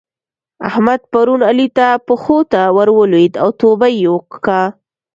احمد پرون علي ته پښو ته ور ولېد او توبه يې وکښه.